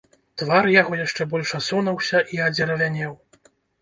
Твар яго яшчэ больш асунуўся і адзеравянеў.